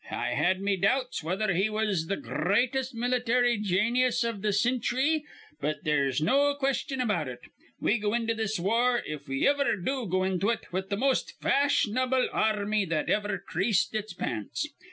I had me doubts whether he was th' gr reatest military janius iv th' cinchry, but they'se no question about it. We go into this war, if we iver do go into it, with th' most fash'n able ar rmy that iver creased its pants.